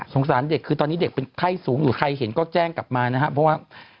สารเด็กคือตอนนี้เด็กเป็นไข้สูงอยู่ใครเห็นก็แจ้งกลับมานะครับเพราะว่า